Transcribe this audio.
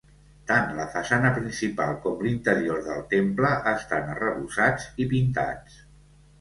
Tant la façana principal com l'interior del temple estan arrebossats i pintats.